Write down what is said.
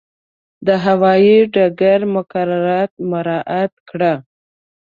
د هوایي ډګر مقررات مراعات کړه.